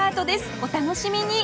お楽しみに！